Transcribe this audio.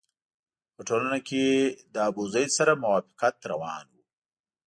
په ټولنه کې له ابوزید سره موافقت روان وو.